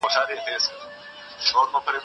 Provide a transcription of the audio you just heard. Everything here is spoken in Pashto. زه به سبا سفر وکړم.